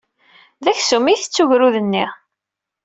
D aksum i itett ugrud-nni.